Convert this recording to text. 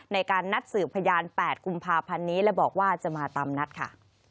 ในการนัดสืบพยาน๘กุมภาพันธ์นี้และบอกว่าจะมาตามนัดค่ะ